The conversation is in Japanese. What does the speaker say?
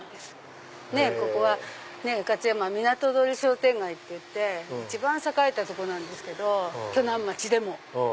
ここは勝山港通り商店街っていって一番栄えたとこなんですけど鋸南町でも。